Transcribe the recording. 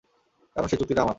কারণ সেই চুক্তিটা আমার।